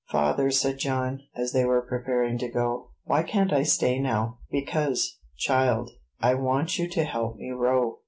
"Father," said John, as they were preparing to go, "why can't I stay now?" "Because, child, I want you to help me row."